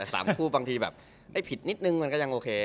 สามคู่บางทีแบบผิดนิดนึงมันก็ยังโอเค